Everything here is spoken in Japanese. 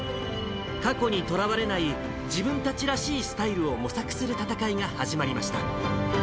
過去にとらわれない、自分たちらしいスタイルを模索する戦いが始まりました。